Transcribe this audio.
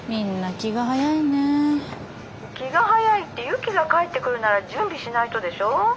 気が早いってユキが帰ってくるなら準備しないとでしょ？